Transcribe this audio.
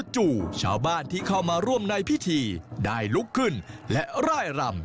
ชาวบ้านที่เข้ามาร่วมในพิธีได้ลุกขึ้นและร่ายรำ